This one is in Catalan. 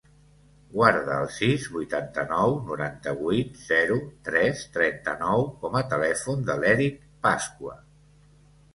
Guarda el sis, vuitanta-nou, noranta-vuit, zero, tres, trenta-nou com a telèfon de l'Èric Pascua.